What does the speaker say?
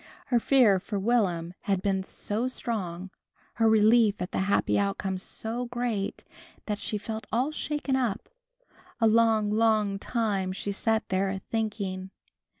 Her fear for Will'm had been so strong, her relief at the happy outcome so great, that she felt all shaken up. A long, long time she sat there, thinking.